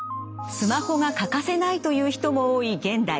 スマホが欠かせないという人も多い現代。